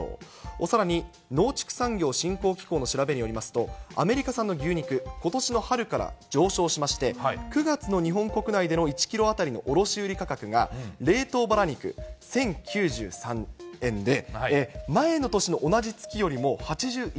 さらに農畜産業振興機構の調べによりますと、アメリカ産の牛肉、ことしの春から上昇しまして、９月の日本国内での１キロ当たりの卸売価格が、冷凍バラ肉１０９３円で、前の年の同じ月よ